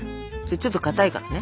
ちょっとかたいからね。